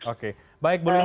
oke baik bu lina